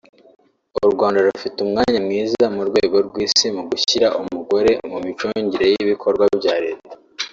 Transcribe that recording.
U Rwanda rufite umwanya mwiza mu rwego rw’isi mu gushyira umugore mu micungire y’ibikorwa bya leta